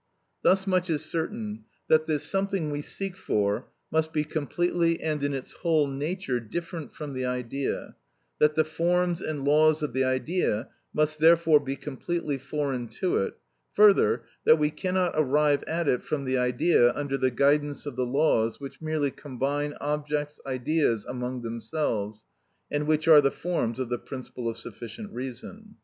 Thus much is certain, that this something we seek for must be completely and in its whole nature different from the idea; that the forms and laws of the idea must therefore be completely foreign to it; further, that we cannot arrive at it from the idea under the guidance of the laws which merely combine objects, ideas, among themselves, and which are the forms of the principle of sufficient reason.